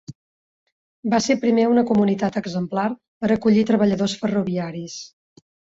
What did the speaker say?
Va ser primer una comunitat exemplar per acollir treballadors ferroviaris.